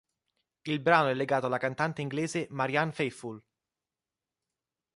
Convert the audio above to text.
Il brano è legato alla cantante inglese Marianne Faithfull.